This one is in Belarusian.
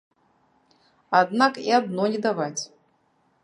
Аднак і адно не даваць!